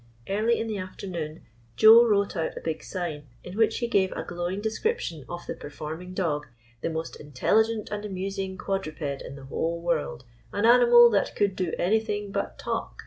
Early in the afternoon Joe wrote out a big sign, in which he gave a glowing description of the " Performing Dog. The most intelligent and amusing quadruped in the whole world. An animal that could do anything but talk!"